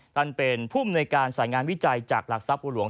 ท่านเป็นผู้มนวยการสายงานวิจัยจากหลักทรัพย์หลวง